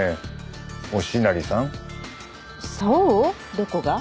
どこが？